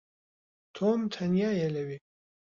تۆم تەنیایە لەوێ.